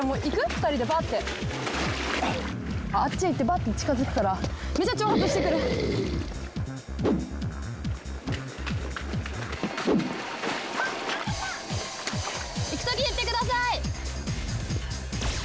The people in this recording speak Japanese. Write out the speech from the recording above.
２人でバーッてあっちへ行ってバーッて近づくからめちゃ挑発してくる・行くとき言ってくださーい・